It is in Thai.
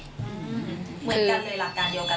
เหมือนกันเลยหลักการเดียวกัน